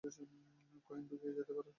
Coin ঢুকিয়ে যেতে পারো।